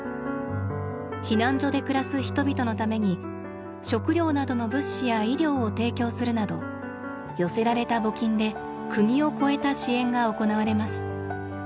避難所で暮らす人々のために食料などの物資や医療を提供するなど寄せられた募金で国を超えた支援が行われます。